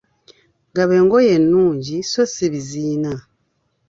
Gaba engoye ennungi sso si biziina.